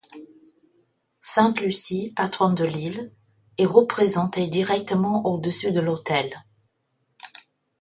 Sainte Lucie, patronne de l'île, est représentée directement au-dessus de l'autel.